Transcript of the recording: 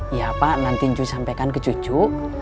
iya pak nanti cuy sampekan ke cucu